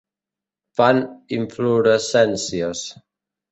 Fan inflorescències.